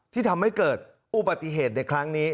ที่ทำให้เกิดอุบัติเหตุในครั้งนี้